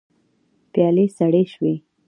پيالې سړې شوې.